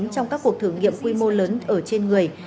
trong các cuộc thử nghiệm quy mô lớn ở trên người